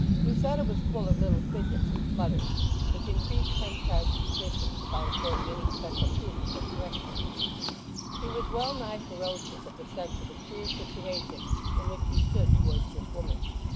Lucetta was full of little fidgets and flutters, which increased Henchard's suspicions without affording any special proof of their correctness. He was well nigh ferocious at the sense of the queer situation in which he stood towards this woman.